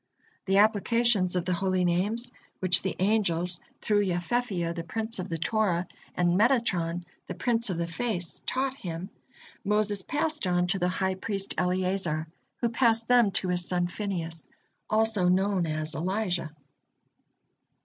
The applications of the Holy Names, which the angels through Yefefiyah, the prince of the Torah, and Metatron, the prince of the Face, taught him, Moses passed on to the high priest Eleazar, who passed them to his son Phinehas, also known as Elijah.